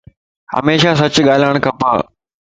ھميشا سچ ڳالاڙ کپ